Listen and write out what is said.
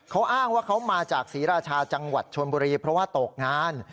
เขาอ้างว่าเขามาจากศรีราชาจังหวัดชนบุรีเพราะว่าตกงาน